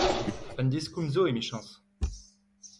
Un diskoulm zo emichañs ?